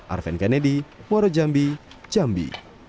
arven kennedy muarajambi jambi